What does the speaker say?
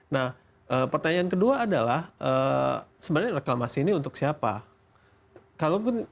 nah pertanyaan kedua adalah sebenarnya reklamasi ini untuk siapa